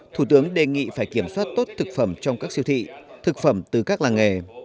thủ tướng đề nghị phải kiểm soát tốt thực phẩm trong các siêu thị thực phẩm từ các làng nghề